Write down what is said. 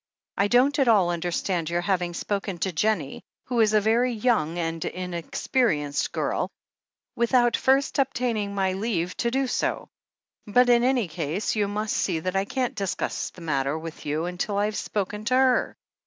I don't at all understand your having spoken to Jennie, who is a very young and inexperienced girl, without first obtaining my leave to do so ; but in any case, you must see that I can't discuss the matter with you until I've spoken to her."